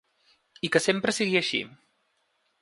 I que sempre sigui així.